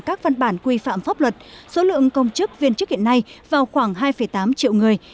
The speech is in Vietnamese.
các văn bản quy phạm pháp luật số lượng công chức viên chức hiện nay vào khoảng hai tám triệu người